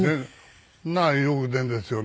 まあよく出るんですよね。